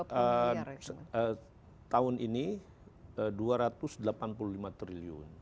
sebenarnya kan kur itu tahun ini dua ratus delapan puluh lima triliun